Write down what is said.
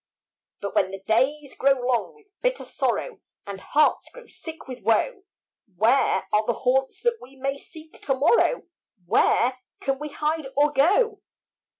But when the days grow long with bitter sorrow, And hearts grow sick with woe, Where are the haunts that we may seek to morrow? Where can we hide or go?